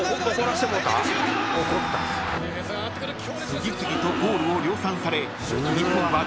［次々とゴールを量産され日本は］